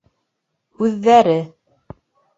Үҙҙәре